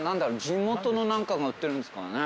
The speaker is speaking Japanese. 地元の何かが売ってるんですかね。